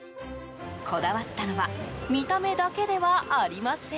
こだわったのは見た目だけではありません。